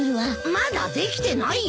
まだできてないよ？